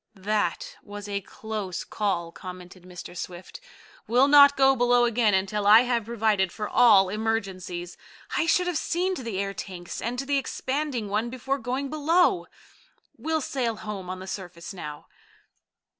"That was a close call," commented Mr. Swift. "We'll not go below again until I have provided for all emergencies. I should have seen to the air tanks and the expanding one before going below. We'll sail home on the surface now."